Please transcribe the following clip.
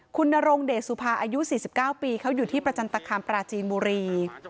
คุณนรงเดชสุภาอายุ๔๙ปีเขาอยู่ที่ประจันตคามปราจีนบุรี